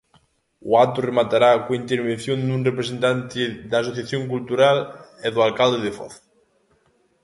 O acto rematará coa intervención dun representante da Asociación Cultural e do Alcalde Foz.